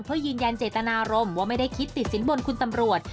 เพื่อยืนยันเจตนารมณ์ว่าไม่ได้คิดติดสินบนคุณตำรวจ